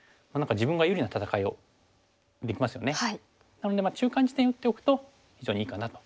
なので中間地点に打っておくと非常にいいかなと。